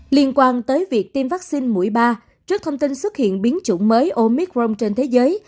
liên quan tới việc tiêm vaccine mũi ba trước thông tin xuất hiện biến chủng mới omicron trên thế giới